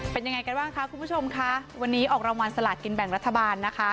เป็นยังไงกันบ้างคะคุณผู้ชมค่ะวันนี้ออกรางวัลสลากินแบ่งรัฐบาลนะคะ